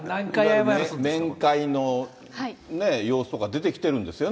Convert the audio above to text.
面会の様子とか出てきてるんですよね。